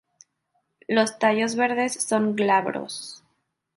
Los tallos verdes son glabros.